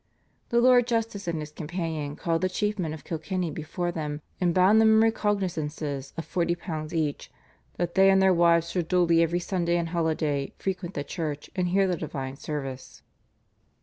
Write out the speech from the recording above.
The Lord Justice and his companion called the chief men of Kilkenny before them, and bound them in recognisances of £40 each "that they and their wives should duly every Sunday and holiday frequent the church, and hear the divine service."